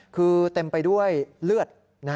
คือเต็มไปด้วยเลือด